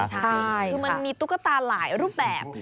ใช่คือมันมีตุ๊กตาหลายรูปแบบ